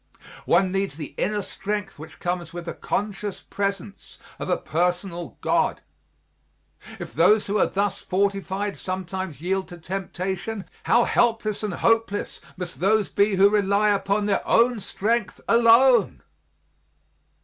One needs the inner strength which comes with the conscious presence of a personal God. If those who are thus fortified sometimes yield to temptation, how helpless and hopeless must those be who rely upon their own strength alone!